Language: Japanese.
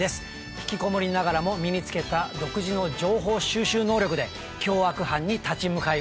ひきこもりながらも身につけた独自の情報収集能力で凶悪犯に立ち向かいます。